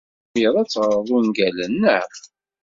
Tḥemmleḍ ad teɣreḍ ungalen, naɣ?